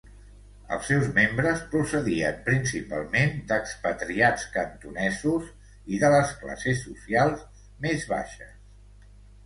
Els seus membres procedien principalment d'expatriats cantonesos i de les classes socials més baixes.